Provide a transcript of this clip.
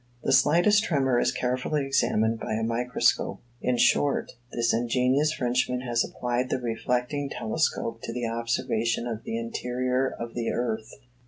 The slightest tremor is carefully examined by a microscope. In short, this ingenious Frenchman has applied the reflecting telescope to the observation of the interior of the earth.